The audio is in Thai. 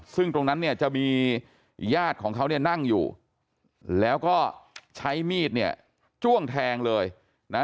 ซึ่งตรงนั้นเนี่ยจะมีญาติของเขาเนี่ยนั่งอยู่แล้วก็ใช้มีดเนี่ยจ้วงแทงเลยนะ